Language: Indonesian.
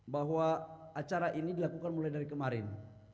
bahwa acara ini dilakukan mulai dari kemarin